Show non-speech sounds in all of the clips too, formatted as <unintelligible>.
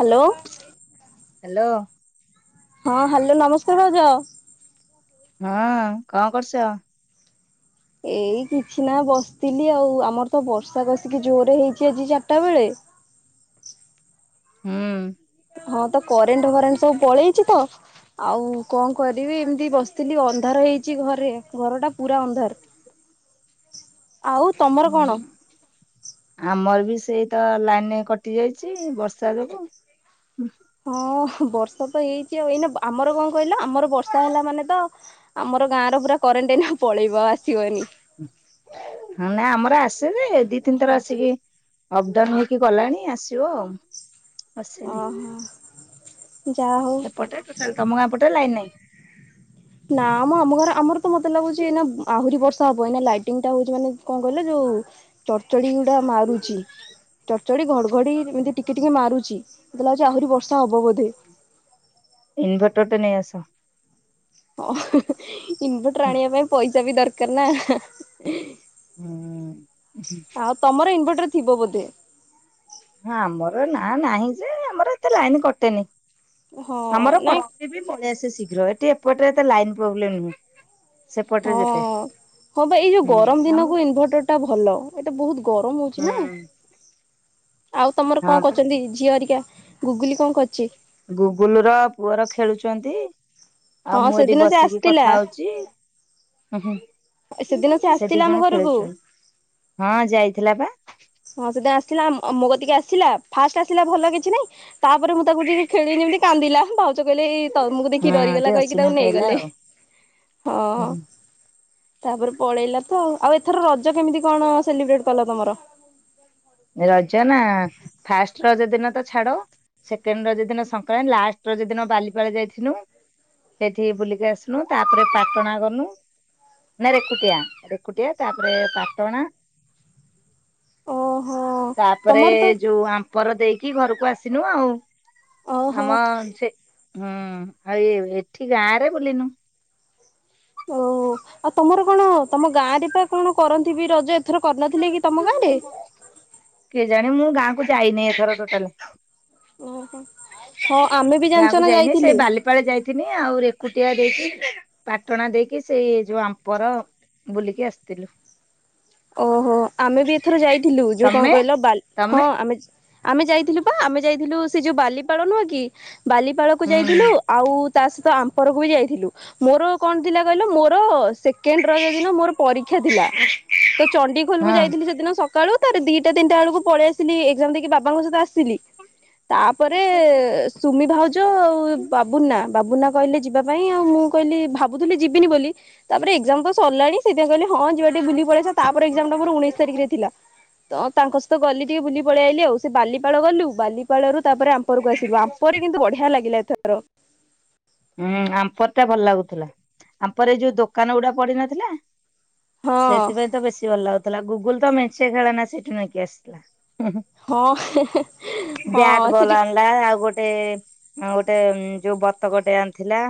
Hello. Hello. ହଁ, hello ନମସ୍କାର ଭାଉଜ। ହଁ, କଣ କରୁଛ? ଏଇ କିଛି ନା ବସିଥିଲି ଆଉ, ଆମର ତ ବର୍ଷା କଷିକି ଜୋରେ ହେଇଛି ଆଜି ଚାରିଟା ବେଳେ। ହୁଁ। ହଁ, ତ କରେଣ୍ଟ ଫରେଣ୍ଟ ସବୁ ପଳେଇଛି ତ। ଆଉ କଣ କରିବି? ଏମିତି ବସିଥିଲି ଅନ୍ଧାର ହେଇଛି ଘରେ, ଘର ଟା ପୁରା ଅନ୍ଧାର। ଆଉ ତମର କଣ? ହୁଁ। ଆମର ବି ସେଇ ତ, ଲାଇନି କଟି ଯାଇଛି ବର୍ଷା ଯୋଗୁଁ। ହଁ, ବର୍ଷା ତ ହେଇଛି ଆଉ, ଏଇନା ଆମର କଣ କହିଲ? ଆମର ବର୍ଷା ହେଲା ମାନେ ତ ଆମର ଗାଁ ର ପୁରା କରେଣ୍ଟ ଏଇନା ପଳେଇବ। ଆଉ ଆସିବନି। ହଁ, ନାଇଁ ଆମର ଆସେ ଯେ, ଦି ତିନିଥର ଆସିକି ଅପ୍ ଡାଉନ୍ ହେଇକି ଗଲାଣି ଆସିବ ଆଉ। ଆସିନି ଅହଁ, ଯାହା ହଉ। ଏପଟେ ଟୋଟାଲ୍ ତମ ଗାଁ ପଟେ ଲାଇନ୍ ନାହିଁ। ନା, ମଁ ଆମ ଗାଁ ରେ ଆମର ତ ମତେ ଲାଗୁଛି, ଏଇନା ଆହୁରି ବର୍ଷ ଷା ହବ। ଏଇନା ଲାଇଟିଙ୍ଗ୍ ଟା ହଉଛି, ମାନେ କଣ କହିଲ! ଯୋଉ ଚଡ୍ ଚଡି ଗୁଡା ମାରୁଚି। ଚଡ୍ ଚଢି ଘଡ଼ଘଡ଼ି ଏମିତି ଟିକେ ଟିକେ ମାରୁଚି। ମୋତେ ଲାଗୁଛି ଆହୁରି ବର୍ଷା ହବ ବୋଧେ! ଇନ୍ଭର୍ଟର ଟେ ନେଇ ଆସ। ଇନ୍ଭର୍ଟର ହଁ ଆଣିବା ପାଇଁ ପଇସା ବି ଦରକାର ନା। ହୁଁ, ଉଁ ହୁଁ। ଆଉ, ତମର ଇନ୍ଭର୍ଟର ଥିବ ବୋଧେ। ଆମର ନା ନାହିଁ ଯେ, ଆମର ଏତେ ଲାଇନ୍ କଟେନି। ହଁ ଆମର କଟ୍ ନାଇଁ ପିବି ପଳେଇଆସେ ଶୀଘ୍ର, ଏଠି ଏପଟେ ଏତେ ଲାଇନ୍ ପ୍ରୋବ୍ଲେମ ନୁହୁଁ। ହଁ, ହଁ, ବା ଏଇ ଯୋଉ ହୁଁ ଗରମ ଆମ ଦିନକୁ ଇନ୍ଭର୍ଟର ଟା ଭଲ। ଏତେ ବହୁତ ଗରମ ହଉଛି ହୁଁ ନା, ଆଉ ତମର ହଁ କଣ ପା କରଛନ୍ତି ଝିଅ ହେରିକା? ଗୁଗୁଲି କଣ କରୁଚି? ଗୁଗୁଲୁ ର ପୁଅର ଖେଳୁଛନ୍ତି, ହଁ ଆଉ ମୁଁ ଏଇଠି ସେଦିନ ସେ ବସିକି ଆସିଥିଲା। କଥା ହଉଛି। ହୁଁ, ସେଦିନ ହୁଁ, ସେ ଆସିଥିଲା ଦି ଆମ ଜଣ ଘରକୁ ଖେଳୁଛନ୍ ହଁ, ଯାଇଥିଲା ପା। ହଁ, ସେତା ଆସିଲା ମୋ କତିକି ଆସିଲା। ଫାଷ୍ଟ ଆସିଲା ଭଲ କିଛି ନାଇଁ। ତା'ପରେ ମୁଁ, ତାକୁ ଟିକେ ଖେଳିନି ଯିମିତି କାନ୍ଦିଲା, ଭାଉଜ କହିଲେ ଏଇ ତମକୁ ଦେଖି ହଁ ଟିକେ ଡରିଗଲା କହିକି, ଅସିନା ତାକୁ ପାଇଲା ନେଇଗଲେ। ଆଉ ହଁ। ତା, ପରେ ପଳେଇଲା ତ ଆଉ, ଆଉ ଏଥର ରଜ କେମିତି କଣ ସେଲିବ୍ରେଟ୍ କଲ ତମର? ରଜ ନା, ଫାଷ୍ଟ ରଜ ଦିନ ତ ଛାଡ। ସେକେଣ୍ଡ ରଜ ଦିନ ସଂକ୍ରାନ୍, ଲାଷ୍ଟ ରଜ ଦିନ ବାଲିପାଳେ ଯାଇଥିନୁ। ସେଇଠି ବୁଲିକି ଆସିନୁ। ତା'ପରେ ପାଟଣା ଗଲୁ। ନାଁ ରେକୁଟିଆ ରେକୁଟିଆ ତାପରେ ପାଟଣା। ଓହୋ ତାପରେ ତମର ତ ଯୋଉ ଆମ୍ପର ଦେଇକି ଘରୁକୁ ଆସିନୁ ଆଉ ଓହୋ ଆମ ସେ ହୁଁ ଆଉ ଏଇ ଏଠି ଗାଁରେ ବୁଲିନୁ। ଓ। ଆଉ ତମର କଣ ତମ ଗାଁରେ ପା କଣ କରନ୍ତି ବି ରଜ ଏଥର କରିନଥିଲେ କି ତମ ଗାଁରେ? କିଏ ଜାଣି ମୁଁ ଗାଁକୁ ଯାଇନେଇ ଏଥର ଟୋଟାଲ୍। ଓହ ହଁ ଆମେ ବି ଜାଣିଚ ନା ଯାଇଥିଲୁ। ପାଳେ ଯାଇଥିନି ଆଉ ରେକୁଟିଆ ଦେଇକି ପାଟଣା ଦେଇକି ସେଇ ଯୋଉ ଆମ୍ପର ବୁଲିକି ଆସତିଲୁ। ଓହୋ ଆମେ ବି ଏଥର ଯାଇଥିଲୁ ଯୋଉ କଁ ତମେ କହିଲ ବାଲ୍ ତମେ ହଁ ଆମେ ଆମେ ଯାଇଥିଲୁ ପା ଆମେ ଯାଇଥିଲୁ ସେ ଯୋଉ ବାଲିପାଳ ନୁହଁ କି ବାଲିପାଳକୁ ହୁଁ ଯାଇଥିଲୁ। ଆଉ ତା ସହିତ ଆମ୍ପରକୁ ବି ଯାଇଥିଲୁ ମୋର କଣ ଥିଲା କହିଲ ମୋର ସେ କେଣ୍ଡ୍ ରଜ ଦିନ ମୋର ପରୀକ୍ଷା ଥିଲା ତ ଚଣ୍ଡିଖୋଲକୁ ହଁ। ଯାଇଥିଲି ସେଦିନ ସ କାଳୁ ତାରେ ଦିଟା ତିନିଟା ଅଳୁକୁ ପଳିଆସିଲି ଏଗ୍ଜାମ୍ ଦେଇକି ବାବାଙ୍କ ସହିତ ଆସିଲି। ତାପରେ ସୁମି ଭାଉଜ ଆଉ ଏ ବା ବୁନା ବାବୁନା କହିଲେ ଯିବା ପାଇଁ ଆଉ ମୁଁ କହିଲି ଭାବୁଥିଲି ଯିବିନି ବୋଲି ତାପରେ ଏକ୍ଜାମ୍ ତ ସରିଲାଣି ସେଇଥିପାଇଁ କହିଲି ହଁ ଯିବା ଟିକେ ବୁଲି ପଳିଆସିବା ତାପରେ ଏଗ୍ଜାମ୍ ଟା ମୋର ଉଣେଇଶ ତାରିଖରେ ଥିଲା। ତ ତାଙ୍କ ସହିତ ଗଲି ଟିକେ ବୁଲି ପଳିଆଇଲି ଆଉ ସେ ବାଲିପାଳ ଗଲୁ ବାଲିପାଳରୁ ତାପରେ ଆ ପରକୁ ଆସିଲୁ ଆମ୍ପରେ କିନ୍ତୁ ବଢ଼ିଆ ଲାଗିଲା ଏଥର। ହୁଁ ଆମ୍ପରଟା ଭଲ ଲାଗୁଥୁଲା ଆମ୍ପର ଏଇ ଯୋଉ ଦୋକାନ ଉଡ଼ା ପଡିି଼ନଥିଲା ହଁ ସେଥିପାଇଁ ତ ବେଶୀ ଭଲ ଲାଗୁଥୁଲା ଗୁଗୁଲ୍ ତ ମେଞ୍ଚେ ଖେଳନା ସେଇଠୁ ନେଇକି ଆସିଥିଲା। ହଁ ହଁ ସେଠି ଲା ଆଉ ଗୋଟେ ଅଁ ଗୋଟେ ଯୋଉ ବତକଟେ ଆଣିଥିଲା।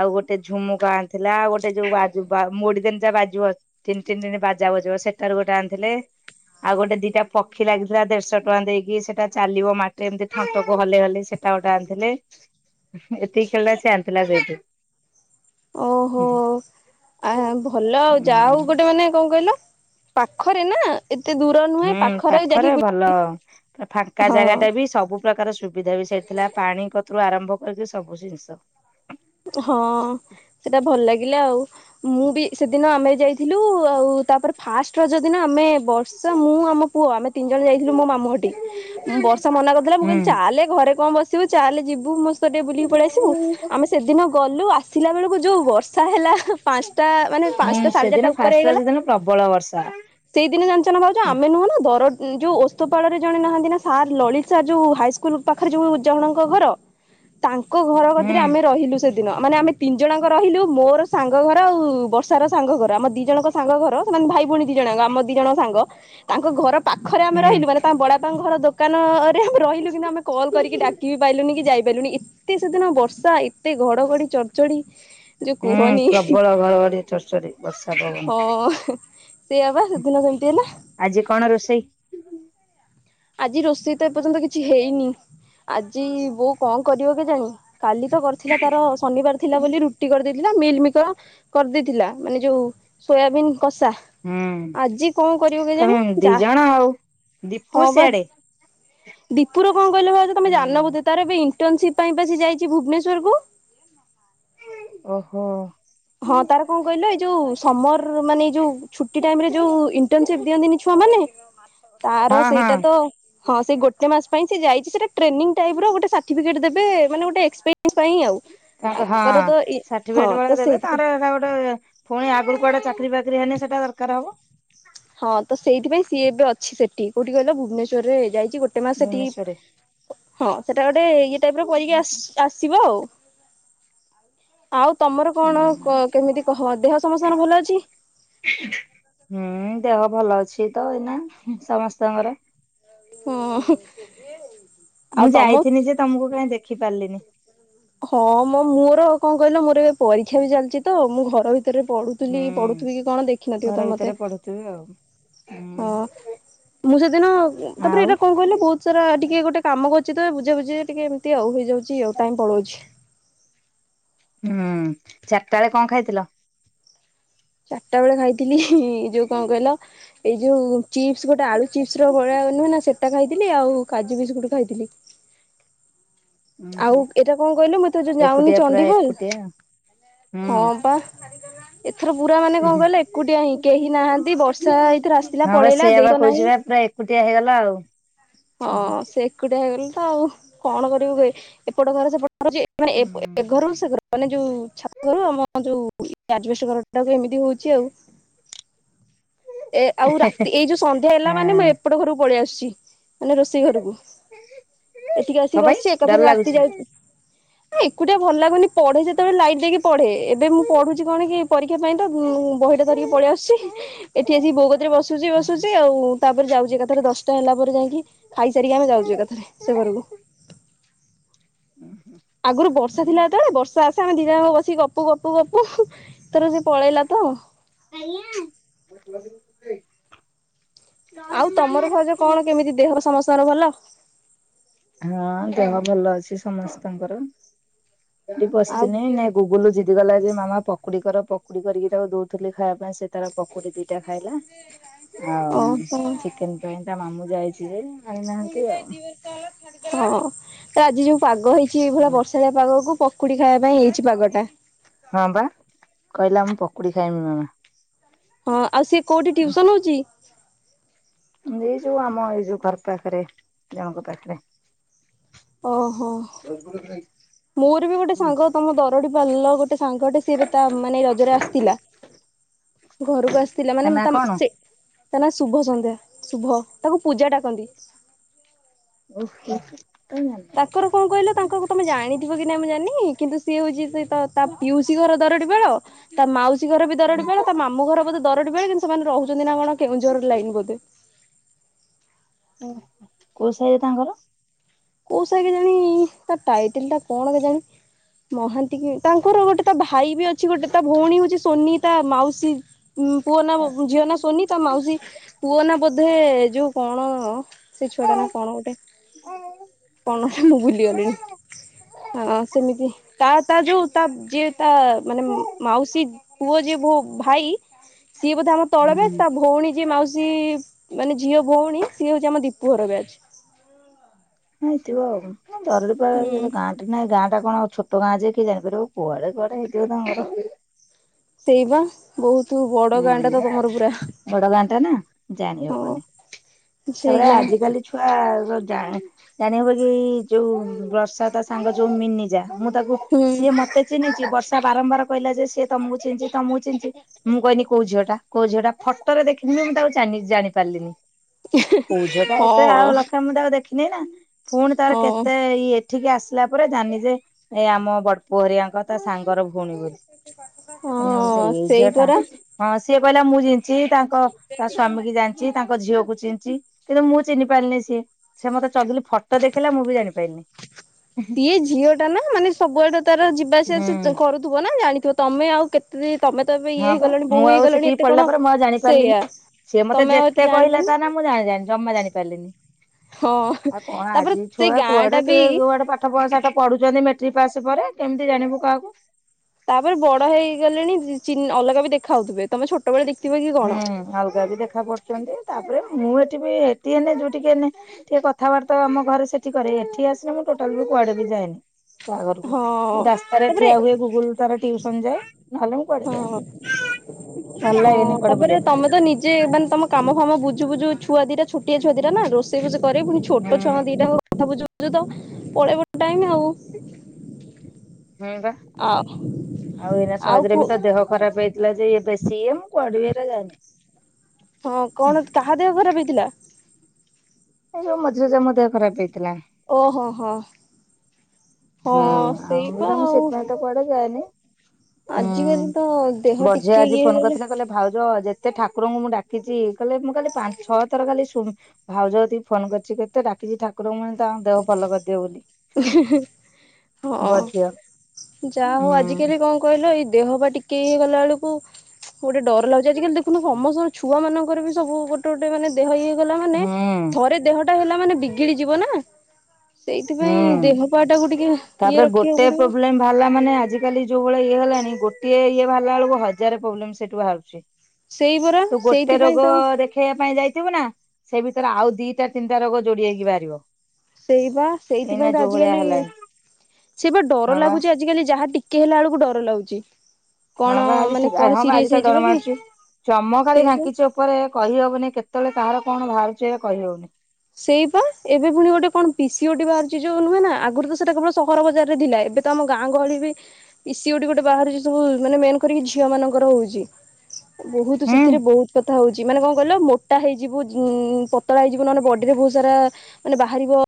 ଆଉ ଗୋଟେ ଝୁମୁକା ଆଣିଥିଲା ଆଉ ଗୋଟେ ଯୋଉ ବାଜୁବା ମୋଡ଼ି ଦେନେ ଯା ବାଜିବ ଟିନ୍ ଟିନ୍ ଟିଣି ବାଜା ବଜିବ ସେଟାରୁ ଗୋଟେ ଆଣିଥିଲେ। ଆଉ ଗୋଟେ ଦିଟା ପକ୍ଷୀ ଲାଗିଥିଲା ଦେଢ଼ଶ ଟଙ୍କା ଦେଇକି ସେଟା ଚାଲିବ ମାଟିଊ ଏମତି ଥଣ୍ଟକୁ ହଲେଇ ହଲେଇ ସେ ଟା ଓଟେ ଆଣିଥିଲେ ଏତିକି ଖେଳନା ସିଏ ଆଣିଥିଲା ସେଇଠୁ। ଓହୋ ଉଁ ଆ ଭଲ ଆଉ ଯା ହଉ ଗୋଟେ ମାନେ କଣ କହିଲ ପାଖରେ ନାଁ ଏତେ ଦୂର ନୁହେଁ ପାଖରେ ଯାଇକି ବୁ ଭଲ ପୁରା ଫାଙ୍କା ଜାଗାଟା ବି ସବୁ ପ୍ରକାର ସୁବିଧା ବି ସେଇଠି ଥିଲା ପାଣି କତୁରୁ ଆରମ୍ଭ କରିକି ସବୁ ଜିନିଷ। ହଁ ସେଟା ଭଲ ଲାଗିଲା ଆଉ ମୁଁ ବି ସେଦିନ ଆମେ ଯାଇଥିଲୁ। ଆଉ ତାପରେ ଫାଷ୍ଟ ରଜ ଯଦି ଆମେ ବର୍ଷା ମୁଁ ଆମ ପୁଅ ଆମେ ତିନି ଜଣ ଯାଇଥିଲୁ ମୋ ମାମୁଁହଟି। ବର୍ଷା ମନା କରଥୁଲା ମୁଁ ହୁଁ କଇଲି ଚାଲେ ଘରେ କଁ ବସିବୁ ଚାଲେ ଯିବୁ ମୋ ସତ ଟିକେ ବୁଲିକି ପଳିଆସିବୁ ଆମେ ସେଦିନ ଗଲୁ ଆସିଲା ବେଳୁକୁ ଯୋଉ ବର୍ଷା ହେଲା ପାଁଶଟା ମାନେ ହୁଁ ପାଞ୍ଚଟା ସାଢେ ଚାରିଟା ସେଦିନ ଫାଷ୍ଟ ରଜ ଦିନ ପ୍ରବଳ ବର୍ଷା। ସେଇ ଦିନ ଜାଣିଚ ନାଁ ଭାଉଜ ହୁଁ ଆମେ ନୁହଁ ନାଁ ଦର ଯୋଉ ଓସ୍ତପାଳରେ ଜଣେ ନାହାନ୍ତି ନାଁ ସାର୍ ଲଳିତ ସାର୍ ଯୋଉ ହାଇ କୁଲ୍ ପାଖରେ ଯୋଉ ଜଣଙ୍କ ଘର ତାଙ୍କ ଘର କତିରେ ଆମେ ହୁଁ ରହିଲୁ ସେଦିନ ମାନେ ଆମେ ତିନି ଜଣଙ୍କ ରହିଲୁ ମୋର ସାଙ୍ଗ ଘର ଆଉ ବର୍ଷାର ସାଙ୍ଗ ଘର ଆମ ଦି ଜଣଙ୍କ ସାଙ୍ଗ ଘର ସେମାନେ ଭାଇ ଭୋଉଣୀ ଦି ଜଣ ଆଙ୍କ ଆମ ଦି ଜଣ ସାଙ୍ଗ। ତାଙ୍କ ଘର ପାଖରେ ଆମେ ରହିଲୁ ମାନେ ତାଙ୍କ ବଡ଼ାପାଙ୍କ ଘର ଦୋକାନରେ ଆମେ ରହିଲୁ କିନ୍ତୁ ଆମେ କଲ୍ କରିକି ଡାକି ବି ପାଇଲୁନି କି ଯାଇପାଇଲୁନି ଏତେ ସେଦିନ ବର୍ଷା ଏ ତେ ଘଡ଼ଘଡ଼ି ଚଡ଼ଚଡ଼ି। ହୁଁ ପ୍ରବଳ ଘରଘଡି଼ ଚଡ଼ଚଡ଼ି ବର୍ଷା ପବନ। ହଁ ସେଇଆ ପା ସେଦିନ ସେମିତି ହେଲା। ଆଜି କଣ ରୋଷେଇ? ଆଜି ରୋଷେଇ ତ ଏପର୍ଯ୍ୟନ୍ତ କିଛି ହେଇନି। ଆଜି ବୋଉ କଁ କରିବ କେଜାଣି କାଲି ତ କରିଥିଲା ତାର ଶନିବାର ଥିଲା ବୋଲି ରୁଟି କରିଦେଇଥିଲା ମିଲମିକର କରିଦେଇଥିଲା ମାନେ ଯୋଉ ସୋୟାବିନ୍ କଷା। ହୁଁ ଆଜି କଁ କରିବ କେଜାଣି ତମେ ଦି ଯା ଜଣ ଆଉ ଦୀପୁ ହଁ ବା ସିଆଡେ। ଦୀପୁର କଣ କହିଲେ ଭାଉଜ ତମେ ଜାଣିନ ହୁଁ ବୋଧେ ତାର ବି ଇଣ୍ଟନସିପି ପାଇଁ ଯାଇଛି ଭୁବନେଶ୍ୱର କୁ। ଓହୋ ହଁ ତାର କଣ କହିଲ ଏଇ ଯୋଉ ସମର ମାନେ ଏଇ ଯୋଉ ଛୁଟି ଟାଇମରେ ଯୋଉ ଇଣ୍ଟନସିପି ଦିଅନ୍ତିନି ଛୁଆ ମାନ ତାର ହଁ ହଁ ସେଇଟା ତ। ହଁ ସେ ଗୋଟେ ମାସ ପାଇଁ ସେ ଯାଇଛି ସେଟା ଟ୍ରେନିଙ୍ଗ ଟାଇପ ର ଗୋଟେ ସାର୍ଟିଫିକେଟ ଦେବେ ମାନେ ଗୋଟେ ଏକ୍ସ ତା ହଁ ସାର୍ଟିଫିକେଟ ଭଳିଆ ଦେବେ ତା ସେଇଥିପାଇଁ ଟା ଗୋଟେ ପୁଣି ଆଗରୁ କୁଆଡେ ଚାକିରି ବାକିରି ହେନି ସେଟା ଦରକାର ହବ। ହଁ ତ ସେଇଥିପାଇଁ ସିଏ ଏବେ ଅଛି ସେଠି କୋଉଠି କହିଲ ଭୁବନେଶ୍ଵରରେ ଯାଇଛି ଗୋଟେ ମା ସେଠି ଭୁବନେଶ୍ଵରରେ ହଁ ସେଟା ଗୋଟେ ଇଏ ଟାଇପ ର କରିକି ଆସିବ ଆଉ। ଆଉ ତମର କଣ ହୁଁ କେମିତି କହ ଦେହ ସମସ୍ତଙ୍କ ଭଲ ଅଛି? ହୁଁ ଦେହ ଭଲ ଅଛି ତ ଏଇନା ସମସ୍ତଙ୍କର। ହଁ ଆଉ ମୁଁ ତମ ଯାଇିନି ଯେ ତମକୁ କାଇହିଁ ଦେଖି ପାରିଲିନି। ହଁ ମ ମୋର କଣ କହିଲ ମୋର ଏବେ ପରୀକ୍ଷା ବି ଚାଲିଛି ତ ମୁଁ ଘର ଭିତ ସେରେ ପଢୁଥିଲି ହୁଁ ପଢୁଥିବ କି କଣ ଦେଖିନଥିବ ତ ମତେ। ସେଉ ହଁ ମୁଁ ସେଦିନ ତାପରେ ଆଉ ଏଇଟା କଣ କହିଲ ବହୁତ ସର ଟିକେ ଗୋଟେ କାମ କରୁଛି ତ ବୁଝା ବୁଝି ଟିକେ ଏମିତି ଆଉ ହେଇଯାଉଛି ଆଉ ଟାଇମ ପଳଉଛି। ହୁଁ ଚାରିଟା ବେଳେ କଣ ଖାଇଥିଲ? ଚାରିଟା ବେଳେ ଖାଇଥିଲି ଏ ଯୋଉ କଣ କହିଲ ଏଇ ଯୋଉ ଚିପ୍ସ ଗୋଟେ ଆଳୁ ଚିପ୍ସ ଭଳିଆ ନୁହେଁ ନା ସେଟା ଖାଇଥିଲି ଆଉ କାଜୁ ବିିଜ ଗୁଟ ଖାଇଥିଲି। ଉଁ ଆଉ ହୁଁ ଏଇଟା କଣ କହିଲେ ମୁ ତେ ଯଉ ଯାଉନି ଏକୁଟିଆ ପୁରା ଚଣ୍ଡିଖୋଲ ଏକୁଟିଆ ହୁଁ ହଁ ପା। ଏଥର ପୁରା ମାନେ କଣ ହୁଁ କହିଲ ଏକୁଟିଆ ହିଁ କେହି ନାହାନ୍ତି ବର୍ଷା ଏଇଥିରେ ଆସିଲଥିଲା ହଁ ବା ପଳେଇଲା ସେଆ ବା ଦେଇକ କହୁଛି ନାହିଁ ବା ପୁରା ଏକୁଟିଆ ହେଇଗଲା ଆଉ ହଁ ହୁଁ ସେ ଏକୁଟିଆ ହେଇଗଲି ତ ଆଉ କଣ କରିବୁ କେ ଏପଟ ଘରେ ସେପଟ ଏ ହୁଁ ଘରୁ ସେ ଘରୁ ମାନେ ଯୋଉ ଛାତ ଘର ଆମ ଯୋଉ ଆଜବେଷ୍ଟ ଘର ଏମିତି ହଉଛି ଆଉ। ଏ ଆଉ ରାତି ଏଇ ଯୋଉ ସନ୍ଧ୍ୟା ହେଲା ମାନେ ହଁ ମୁଁ ଏପଟ ଘରକୁ ପଳେଇ ଆସୁଛି। ମାନେ ରୋଷେଇ ଘରକୁ ଏଠକି ଆସିକି କଣ ପାଇଁ ବସିଛି ଏକାଥର ଡର ରାତି ଲାଗୁଛି? ଯାଉଛି। ଏକୁଟା ଭଲ ଲାଗୁନି ପଢେ ଯେତେବେଳେ ଲାଇଟ ଦେଇକି ପଢେ ଏବେ ମୁଁ ପଢୁଛି କଣ କି ପରୀକ୍ଷା ପାଇଁ ତ ବହିଟା ଧରିକି ପଳେଇ ଆସୁଛି ଏଠି ଆସିକି ବୌଗତରେ ବସଛି ବସୁଛି ଆଉ ତାପରେ ଯାଉଛି ଏକାଥାରେ ଦଶଟା ହେଲା ପରେ ଯାଇକି ଖାଇସାରିକି ଆମେ ଯାଉଛେ କଥାରେ ସେ ଘରକୁ ହୁଁ ହୁଁ ଆଗରୁ ବର୍ଷା ଥିଲା ତେଳେ ବର୍ଷା ବସିକ ଗପୁ ଗପୁ ଗପୁ ଥର ସେ ପଳେଇଲା ତ <unintelligible> ଆଉ ତମର ଭାଉଜ କଣ କେମିତି ଦେହ ସମସ୍ତଙ୍କର ଭଲ ହଁ ଦେହ ଭଲ ଅଛି ସମସ୍ତଙ୍କର ଆଉ ବସିଥିନି ନ ଗୁଗୁଲୁ ଜିତିିଗଲା ଯେ ମାମା ପ ପକୁଡିିକର ପକୁଡି କରିକି ତାକୁ ଦଉଥିଲି ଖାଇବା ପାଇଁ ସେ ତାର ପକୁଡି ଦିଟା ଖାଇଲା ଆଉ ଓହୋ। ଚିକେନ ପାଇଁ ତା ମାମୁଁ ଯାଇଛି ଯେ ଆଣିନାହାନ୍ତି ପୁଣି ଆଉ। ହଁ ତ ଆଜି ଯୋଉ ପାଗ ହେଇଛି କିଛି ଏଇଭଳିଆ ବର୍ଷାଳିଆ ପାଗକୁ ପକୁଡି ଖାଇବା ପାଇଁ ହେଇଛି ପାଗଟା ହଁ ବା କହିଲା ମୁଁ ପକୁଡି ଖାଇମି ମାମା ହଁ ଆଉ ସିଏ କୋଉଠି ଟୁସନ ହଉଛି? ଏଇ ଯୋଉ ଆମ ଏଇ ଯୋଉ ଘର ପାଖରେ ଜଣଙ୍କ ପାଖରେ ଓହୋ ମୋର ବି ଗୋଟେ ସାଙ୍ଗ ତମ ଦରଡି ପାଲ ଗୋଟେ ସାଙ୍ଗଟେ ସି ଏବେ ତା ମାନେ ରଜରେ ଆସିଥିଲା ଘରକୁ ଆସିଥିଲା ତା ମାନେ ମ୍ ନା ତାମ କଣ? ସେ ତା ନାଁ ଶୁଭ ସନ୍ଧ୍ୟା ଶୁଭ ତାକୁ ପୂଜା ଡ଼ାକନ୍ତି। ଓହ ତ <unintelligible> ତାଙ୍କର କଣ କହିଲ ତାଙ୍କକୁ ତମେ ଜାଣିଥିବ କି ନାଇଁ ମୁଁ ଜାନି କିନ୍ତୁ ସିଏ ହଉଛି ସି ତ ତା ପିଉସୀ ଘର ଦରଡି ବେଳ ତା ମାଉସୀ ଘର ବି ଦରଡି ବେଳ ତା ମାମୁଁ ଘର ବୋଧେ ଦରଟି ବେ କିନ୍ତୁ ସେମାନେ ରହୁଛନ୍ତି ନା କଣ କେଉଁଝର ଲାଇନ୍ ବୋଧେ। ଓ କୋଉ ସାଇରେ ତାଙ୍କର? କୋଉ ସାହି କେଜାଣି ତା ଟାଇଟଲ ଟା କଣ କେଜାଣି ମହାନ୍ତି କି? ତାଙ୍କର ଗୋଟେ ତା ଭାଇ ବି ଅଛି ଗୋଟେ। ତା ଭଉଣୀ ହଉଛି ସୋନି ତା ମାଉସୀ ମ୍ ପୁଅ ନା ଝିଅ ନା ସୋନି ତା ମାଉସୀ ପୁଅ ନା ବୋଧେ ଯୋଉ କଣ ସେ ଛୁଆଟା ନା କଣ ଗୋଟେ? <unintelligible> କଣ ମୁଁ ଭୁଲିଗଲିଣି। ହଁ ସେମିତି ତା ତା ଯୋଉ ତା ଯିଏ ତା ମାନେ ମାଉସୀ ପୁଅ ଯିଏ ମୋ ଭାଇ ସିଏ ବୋଧେ ଆମ ତଳ ତାଙ୍କର? ବ୍ୟାଚ୍ ତା ଭଉଣୀ ଯିଏ ମାଉସୀ ମାନେ ଝିଅ ଭଉଣୀ ସିଏ ହଉଛି ଆମ ଦୀପୁ ଘର ବ୍ୟାଚ୍। ହେଇଥିବ ଆଉ। ଧରୁପ ହୁଁ। ସେଟା ଗାଁ ନାଇଁ ଗାଁ ଟା କଣ ଛୋଟ ଗାଁ ଯେ କିଏ ଜାଣିପାରିବ କୁଆଡେ କୁଆଡେ ହେଇଥିବ ତାଙ୍କର। ସେଇବା। ବହୁତ ବଡ ଗାଁ ହୁଁ ଟା ତ ତମର ପୁରା ବଡ ଗାଁ ଟା ନା ଜାଣି ହଁ ହେବନି। ତାପରେ ସେଇଆ ଆଜିକାଲି ଛୁଆ ଜାଣ ଜାଣି ହବ କି ଯୋଉ ବର୍ଷା ତା ସାଙ୍ଗ ଯୋଉ ମିନିଜା ମୁଁ ତାକୁ ହୁଁ ସିଏ ମତେ ଚିହ୍ନିଛି ବର୍ଷା ବାରମ୍ବାର କହିଲା ଯେ ସିଏ ତମକୁ ଚିହ୍ନିଛି ତମକୁ ଚିହ୍ନିଚି। ମୁଁ କହନି କୋଉ ଝିଅଟା। କୋଉ ଝିଅଟା ଫଟୋରେ ଦେଖିନି ମୁଁ ତାକୁ ଜାଣି ପାରିଲିନି। ପଝଟା ଏତେ ଆଉ ହଁ ଲକ୍ଷ ମୁଁ ତାକୁ ଦେଖିନି ନା ପୁଣି ତାର ହଁ କେତେ ଇଏ? ଠିକି ଆସିଲା ପରେ ଜାନି ଯେ ଏ ଆମ ବଡ ପୋହରିଆଙ୍କ ତା ସାଙ୍ଗର ଭଉଣି ବୋଲି ହଁ ଏଇଝିଅ ସେଇ ଟା ପରା ହଁ ସିଏ କହିଲା ମୁଁ ଜିଛି ତା ତା ତା ସ୍ଵାମୀ କି ଜାଣିଛିି ତାଙ୍କ ଝିଅକୁ ଚିହ୍ନିଚି କିନ୍ତୁ ମୁଁ ଚିହ୍ନି ପାରିନି ସିଏ। ସେ ମତେ ଚଗିଲି ଫଟୋ ଦେଖିଲା ମୁଁ ବି ଜାଣି ପାରିଲିନି। ସିଏ ଝିଅ ଟା ନା ମାନେ ସବୁଆଡେ ତାର ଯିବା ହୁଁ ଆସିବା କରୁ ଥ ନା ଜାଣିଥିବ ତମେ ଆଉ କେତେ ତମେ ତ ଏବେ ଇଏ ହଁ ବା ହେଇଗଲାଣି ମୁଁ ବୋଉ ଆଉ ହେଇଗଲାଣି ସେଠିକି ଏତେ ପଳେଇଲା କଣ ପରେ ମୁଁ ଆଉ ଜାଣିପାରିଲିନି। ସେଇୟା। ସିଏ ମତେ ଯେତେ କହିଲା ତା ନା ମୁଁ ଜାଣିଣି ଜମା ଜାଣି ପାରିଲିନି। ହଁ ଆଉ କଣ ତାପରେ ଆଜି ସେଇ ଛୁଆ ଗାଁ ଟା କୁଆଡେ ବି କି କୁଆଡେ ପାଖ ପାଠ ପସାଠ ପଢ଼ୁଛନ୍ତି ମେଟ୍ରିକ୍ ପାସ୍ ପରେ କେମିତି ଜାଣିବୁ କାହାକୁ ତାପରେ ବଡ ହେଇଗଲେଣି ଅଲଗା ବି ଦେଖା ହଉଥିବେ ତମେ ଛୋଟ ବେଳେ ଦେଖିଥିବ କି କଣ? ହୁଁ ଅଲଗା ବି ଦେଖା ପଡୁଛନ୍ତି ତାପରେ ମୁଁ ଏଠି ବି ଏଠି ଏନେ ଯୋଉଠିକନେ ଟିକେ କଥାବାର୍ତ୍ତା ଆମ ଘରେ ସେଠି କରେ ଏଠି ଆସିଲେ ମୁଁ ଟୋଟାଲ ବି କୁଆେ ବି ଯଏନି। କହାଘରକୁ ହଁ ରାସ୍ତାରେ ତାପରେ ଠିଆ ହୁଏ ଗୁଗୁଲ ତାର ଟିଉସନ ଯାଏ ନହେଲେ ହଁ ପଦେ ହଁ ଭଲାଗନି। ତାପରେ ତମେ ତ ନିଜେ ମାନେମ କାମ ଫାମ ବୁଝୁଝୁ ଛୁଆ ଦିଟ ଛୋଆ ଛୁଆ ଦିଟ ନା ରୋେଇ ରୋଷ କରରେ ପୁ ଛୋଟ ଛୁଆ ହୁଁ ଦିଟା କଥା ବୁଝୁୁଛୁ ତ ପଳେଇ ପ ଟାଇ ଆଉ। ହୁଁ ବା ଆଉ ଆଉ ଏଇନା ସହଜରେ ବି ତ ଦେହ ଖରାପ ହେଇ ଯ ବ ସି ମୁ କଆଡ଼ିବରେ ଜାନ୍ତି। ହଁ କଣ କାହା ଦେହ ଖରାପ ହେଇଥିଲା। ଏଇ ଯୋଉ ମଝିରେଜ ମ ମଧ୍ୟ ଖରାପ ହେଇଥିଲା। ଓହୋ ହୋ ହଁ ସେଇପ ଆଉ। କ କନ ଆଜିକାଲି ତ ଦେହ ବଢିଆ ଟିକେ ଆଜି ଇଏ ଫୋନ ହେଇଗଲେ। କରିଥିଲେ କହିଲେ ଭାଉଜ ଯେତେ ଠାକୁରଙ୍କୁ ମୁଁ ଡାକିଛି କହିଲେ ମୁଁ କାଲି ପାଞ୍ଚ ଛଅ ଥର କାଲି ଭାଉଜ କତିକି ଫୋନ କରିଛି କେତେ ଡାକିଛି ଠାକୁରଙ୍କୁୁ ତାଙ୍କ ଦେହ ଭଲ କରିଦିଅ ବୋଲି। ଇ ହିଁ ହିଁ, ବଡଝିଅ। ହଁ ଯାହା ହଉ ହୁଁ ଆଜିକାଲି କଣ କହିଲ, ଏଇ ଦେହ ବା ଟିକେ ଇଏ ହେଇଗଲା ବେଳକୁ ଗୋଟେ ଡର ଲାଗୁଛି। ଆଜିକାଲି ଦେଖୁନ ସମସ୍ତଙ୍କର ଛୁଆମାନଙ୍କର ବି ସବୁ ଗୋ ଗୋଟେ ଗୋଟେ ମାନେ ଦେହ ଇଏ ହେଇଗଲା ମାନେ, ହୁଁ ଥରେ ଦେହଟା ହେଲା ମାନେ ବିଗିଡି ଯିବ ନା। ସେଇଥିପାଇଁ ଦେହ ପା ଟାକୁ ହୁଁ, ଟିକେ ଇଏ ତାପରେ ରଖିବାକୁ ଗୋଟେ ପଡିବ ପ୍ରୋବ୍ଲେମ୍ ବାହାରିଲା ମାନେ ଆଜିକାଲି ଯୋଉ ଭଳିଆ ଇଏ ହେଲାଣି, ଗୋଟିଏ ଇଏ ବାହାରିଲା ବେଳକୁ ହଜାର ପୋବ୍ଲେମ ସେଠୁ ବାହାରୁଚି। ସେଇ ପରା ତୁ ଗୋଟେ ସେଇଥିପାଇଁ ରୋଗ ତ ଦେଖେଇବା ପାଇଁ ଯାଇଥିବୁ ନା ସେଇ ଭିତରେ ଆଉ ଦିଟା ତିନିଟା ରୋଗ ଯୋଡି ହେଇକି ବାହାରିବ। ସେଇ ବା ଏଇନା ସେଇଥିପାଇଁ ତ ଯୋଉ ଭଳିଆ ଆଜିକାଲି, ହେଲାଣି ସେ ବା ଡର ଲାଗୁଛି ଆଜି ଆଜକାଲି ଯାହା ଟିକେ ହେଲା ବେଳକୁ ଡର ଲାଗୁଛି। କଣ ହଁ ବା ମାନେ ଆଜିିକ କଣ ହଁ ବା ସିରିୟସ ଆଜିକାଲି ହେଇଯିବ ଡର କି ମାଡୁଛି, ଚମ ଖାଲି ସେଇ ବା ଢାଙ୍କିଚି ଓପ ଓପରେ କହିହବନି କେତେବେଳେ କାହାର କଣ ବାହାରୁଛି ଏବେ କହିହଉନି। ସେଇ ପା, ଏବେ ପୁଣି ଗୋଟେ କଣ ପିସିଓଡି ବାହାରୁଛି ଯୋଉ ନୁହେଁନା, ଆଗୁରୁ ତ ସେଟା କେବଳ ସହର ବଜାରରେ ଥିଲା। ଏବେ ତ ଆମ ଗାଁ ଗହଳି ବି ଇସିିଓଟି ଗୋଟେ ବାହାରୁଛି ସବୁ, ମାନେ ମେନ୍ କରିକି ଝିଅମାନଙ୍କର ହଉଛି। ବହୁତୁ ହୁଁ। ସେଥିରେ ବହୁତ କଥା ହଉଛି, ମାନେ କଣ କହିଲ ମୋଟା ହେଇଯିବୁ ଉମ୍ ପତଳା ହେଇଯିବୁ ନହେଲେ ବଢ ଡିରେ ବହୁତ ସାରା ମାନେ ବାହାରିବ